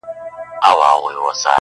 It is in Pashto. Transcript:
صحرايي چي ورته وکتل حیران سو-